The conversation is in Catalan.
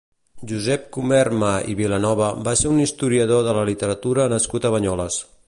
Josep Comerma i Vilanova va ser un historiador de la literatura nascut a Banyoles.